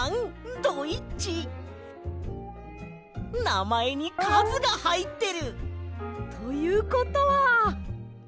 なまえにかずがはいってる！ということは。